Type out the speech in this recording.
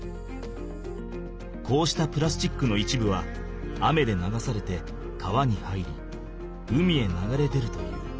こうしたプラスチックの一部は雨で流されて川に入り海へ流れ出るという。